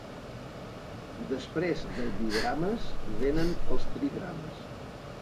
Després del "bigrames" venen els "trigrames".